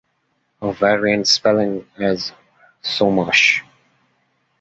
A variant spelling is "Sumach".